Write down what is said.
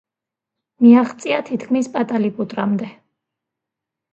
მიაღწია თითქმის პატალიპუტრამდე.